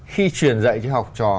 khi truyền dạy cho học trò